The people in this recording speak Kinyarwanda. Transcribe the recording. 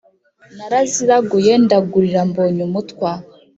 naraziraguye ndagurira mbonyumutwa